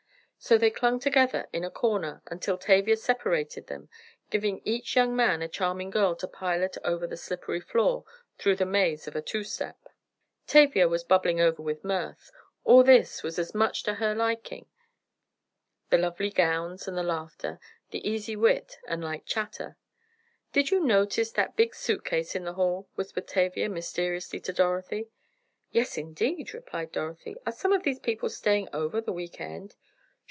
So they clung together in a corner until Tavia separated them, giving each young man a charming girl to pilot over the slippery floor through the maze of a two step. Tavia was bubbling over with mirth. All this was as much to her liking—the lovely gowns and the laughter, the easy wit and light chatter. "Did you notice that big suit case in the hall?" whispered Tavia, mysteriously to Dorothy. "Yes, indeed," replied Dorothy. "Are some of these people staying over the week end?"